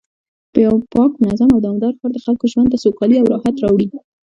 یو پاک، منظم او دوامدار ښار د خلکو ژوند ته سوکالي او راحت راوړي